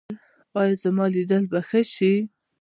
ایا زما لیدل به ښه شي؟